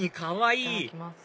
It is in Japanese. いただきます